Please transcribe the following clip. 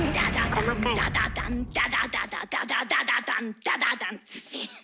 「ダダダンダダダンダダダダダダダダダン」ズシン！